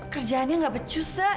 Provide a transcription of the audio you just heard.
kerjaannya gak becus